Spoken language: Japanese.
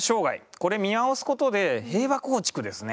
これ見直すことで平和構築ですね。